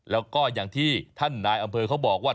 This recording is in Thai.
แล้วก็อย่างที่ท่านนายอำเภอเขาบอกว่า